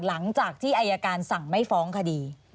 หลังจากที่อายการสั่งไม่ฟ้องคดี